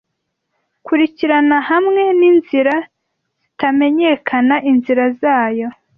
Kurikirana hamwe n'inzira zitamenyekana inzira zayo;